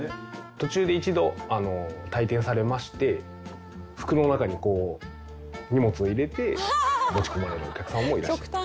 途中で一度退店されまして服の中にこう荷物を入れて持ち込まれるお客様もいらっしゃいます。